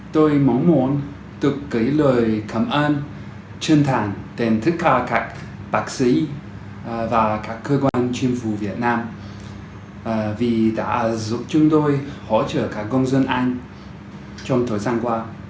tôi mong muốn được kể lời cảm ơn chân thành đến tất cả các bác sĩ và các cơ quan chính phủ việt nam vì đã giúp chúng tôi hỗ trợ các công dân anh trong thời gian qua